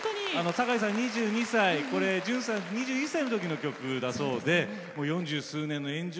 堺さん、２２歳順さん２１歳のときの曲だそうです。